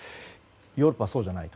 ヨーロッパはそうじゃない。